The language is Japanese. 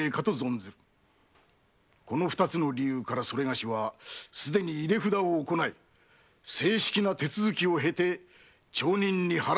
この二つの理由からそれがしはすでに入れ札を行い正式の手続きを経て町人に払い下げたしだいでござる。